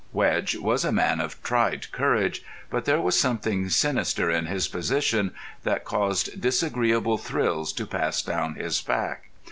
Wedge was a man of tried courage, but there was something sinister in his position that caused disagreeable thrills to pass down his back.